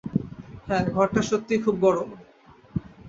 হ্যাঁ, ঘরটা সত্যিই খুব গরম।